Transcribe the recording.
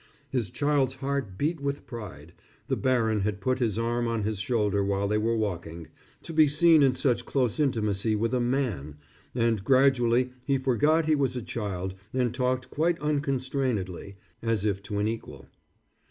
His child's heart beat with pride the baron had put his arm on his shoulder while they were walking to be seen in such close intimacy with a "man," and gradually he forgot he was a child and talked quite unconstrainedly, as if to an equal.